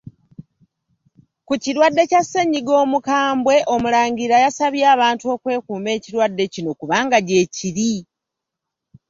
Ku kirwadde kya ssennyiga omukambwe, Omulangira yasabye abantu okwekuuma ekirwadde kino kubanga gyekiri.